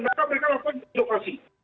maka mereka lakukan inovasi